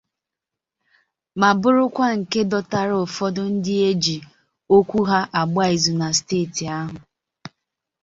ma bụrụkwa nke dọtara ụfọdụ ndị e ji okwu ha agba izu na steeti ahụ